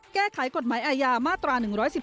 แก้ไขกฎหมายอาญามาตรา๑๑๒